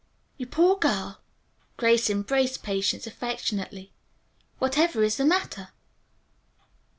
"You poor girl!" Grace embraced Patience affectionately. "Whatever is the matter?"